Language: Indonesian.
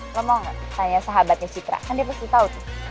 lo mau gak tanya sahabatnya citra kan dia pasti tau tuh